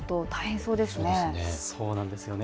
そうなんですよね。